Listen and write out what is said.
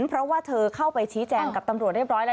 เพราะว่าเธอเข้าไปชี้แจงกับตำรวจเรียบร้อยแล้ว